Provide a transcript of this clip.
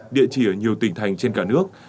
địa chỉ ở nhiều tỉnh thành trên cả nước